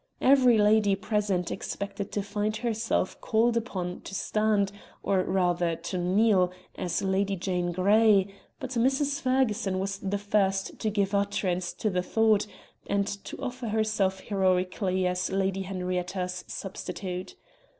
Every lady present expected to find herself called upon to stand or rather to kneel as Lady Jane Grey; but Mrs. Ferguson was the first to give utterance to the thought, and to offer herself heroically as Lady Henrietta's substitute.